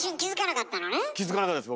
気づかなかったです